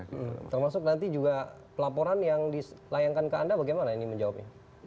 termasuk nanti juga pelaporan yang dilayangkan ke anda bagaimana ini menjawabnya